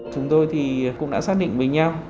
chúng tôi thì cũng đã xác định với nhau